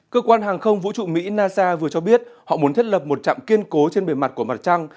cơ quan hàng không vũ trụ mỹ nasa vừa cho biết họ muốn thiết lập một trạm kiên cố trên bề mặt của mặt trăng